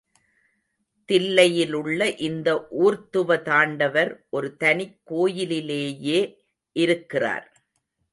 தில்லையிலுள்ள இந்த ஊர்த்துவ தாண்டவர் ஒரு தனிக் கோயிலிலேயே இருக்கிறார்.